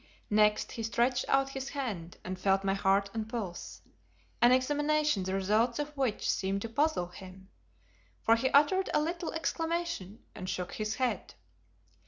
Next he stretched out his hand and felt my heart and pulse; an examination the results of which seemed to puzzle him, for he uttered a little exclamation and shook his head.